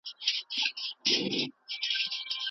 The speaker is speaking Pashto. د بهرنیو اړیکو پراختیا ته کافي منابع نه ځانګړې کېږي.